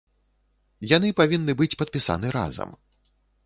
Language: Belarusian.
Яны павінны быць падпісаны разам.